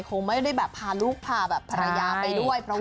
คงไม่ได้แบบพาลูกพาแบบภรรยาไปด้วย